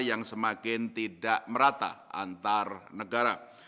yang semakin tidak merata antar negara